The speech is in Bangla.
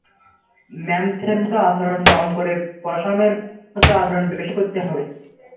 ম্যামথের মতো আচরণ কম করে পসামের মতো আচরণ বেশি করতে হবে।